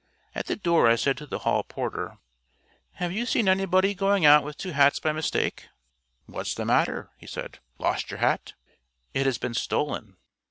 At the door I said to the hall porter, "Have you seen anybody going out with two hats by mistake?" "What's the matter?" he said. "Lost your hat?" "It has been stolen."